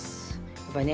やっぱりね